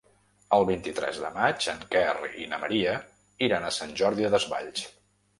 El vint-i-tres de maig en Quer i na Maria iran a Sant Jordi Desvalls.